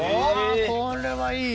これはいい。